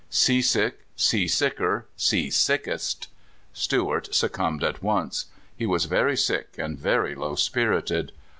Seasick, seasicker, sea sickest ! Stewart succumbed at once. He was very sick and very low spirited.